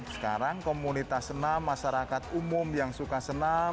sekarang komunitas senam masyarakat umum yang suka senam